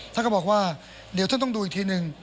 ท่านก็บอกว่าเดี๋ยวท่านต้องดูอีกทีหนึ่ง